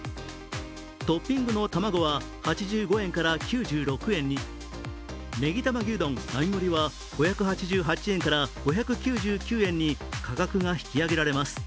トッピングの玉子は８５円から９６円に、ねぎ玉牛丼並盛は５８８円から５９９円に価格が引き上げられます。